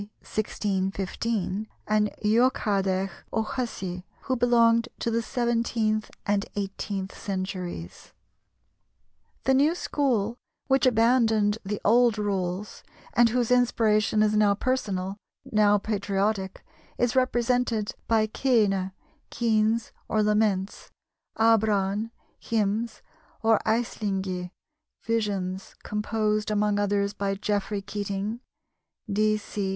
1615), and Eochaidh O'Hussey, who belonged to the seventeenth and eighteenth centuries. The new school, which abandoned the old rules and whose inspiration is now personal, now patriotic, is represented by caoine (keens or laments), abran (hymns), or aislingi (visions), composed, among others, by Geoffrey Keating (d. c.